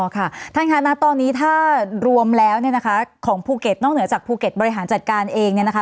ค่ะท่านค่ะณตอนนี้ถ้ารวมแล้วเนี่ยนะคะของภูเก็ตนอกเหนือจากภูเก็ตบริหารจัดการเองเนี่ยนะคะ